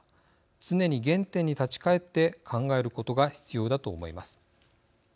常に原点に立ち返って考えることが必要だと思います。